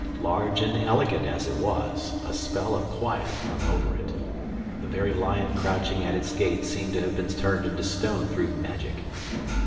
Large and elegant as it was, a spell of quiet hung over it. The very lion crouching at its gate seemed to have been turned into stone through magic.